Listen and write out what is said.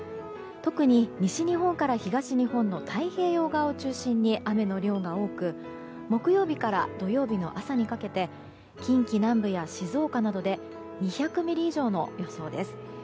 特に西日本から東日本の太平洋側を中心に雨の量が多く木曜日から土曜日の朝にかけて近畿南部や静岡などで２００ミリ以上の予想です。